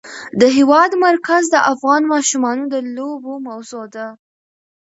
د هېواد مرکز د افغان ماشومانو د لوبو موضوع ده.